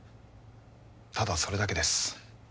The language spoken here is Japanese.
ただそれだけです